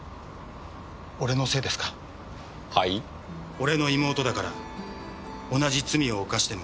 俺の妹だから同じ罪を犯してもおかしくない。